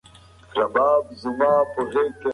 زه هڅه کوم چې د ژوند سختۍ وزغمه.